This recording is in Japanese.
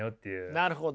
なるほど。